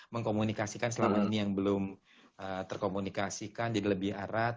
mengkomunikasikan selama ini yang belum terkomunikasikan jadi lebih erat